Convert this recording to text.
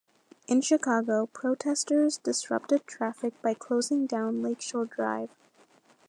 In Chicago, protesters disrupted traffic by closing down Lake Shore Drive.